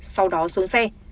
sau đó xuống xe